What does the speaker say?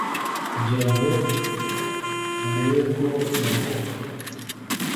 kugira ngo barebe ko barokoka